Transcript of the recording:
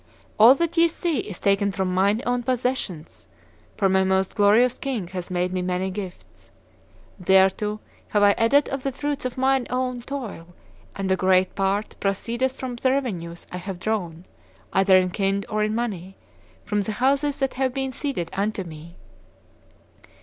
All that ye see is taken from mine own possessions, for my most glorious king hath made me many gifts. Thereto have I added of the fruits of mine own toil, and a great part proceedeth from the revenues I have drawn, either in kind or in money, from the houses that have been ceded unto me.